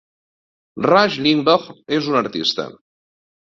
Rush Limbaugh és un artista.